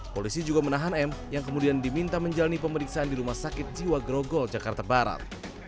polisi juga menahan m yang kemudian diminta menjalani pemeriksaan di rumah sakit jiwa grogol jakarta barat